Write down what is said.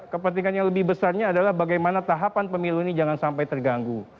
kepentingan yang lebih besarnya adalah bagaimana tahapan pemilu ini jangan sampai terganggu